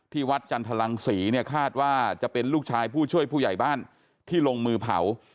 วัดจันทรังศรีเนี่ยคาดว่าจะเป็นลูกชายผู้ช่วยผู้ใหญ่บ้านที่ลงมือเผา